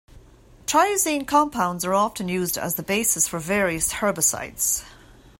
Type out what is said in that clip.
Triazine compounds are often used as the basis for various herbicides.